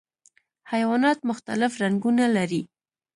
حیوانات مختلف رنګونه لري.